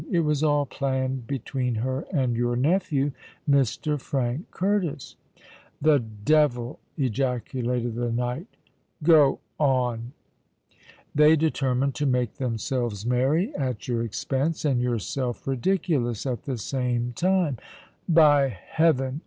It was all planned between her and your nephew Mr. Frank Curtis——" "The devil!" ejaculated the knight. "Go on." "They determined to make themselves merry at your expense, and yourself ridiculous at the same time." "By heaven!